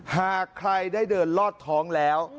หากใครได้เดินลอดท้องแล้ว